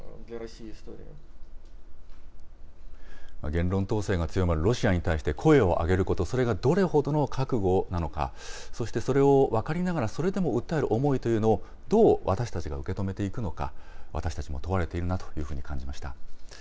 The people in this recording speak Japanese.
言論統制が強まるロシアに対して声を上げること、それがどれほどの覚悟なのか、そしてそれを分かりながら、それでも訴える思いというのを、どう私たちが受け止めていくのか、私たちも問われているなというふうに感じました。